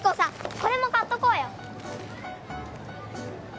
これも買っとこうよ